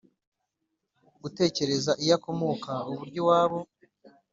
gutekereza iyo akomoka, uburyo iwabo